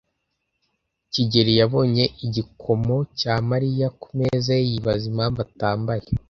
kigeli yabonye igikomo cya Mariya ku meza ye yibaza impamvu atambaye.